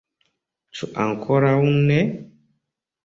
Ĉu ankoraŭ ne?